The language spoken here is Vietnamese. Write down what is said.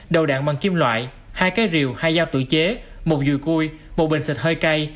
đầu đạn bằng kim loại hai cái rìu hai dao tự chế một dùi cui một bình xịt hơi cay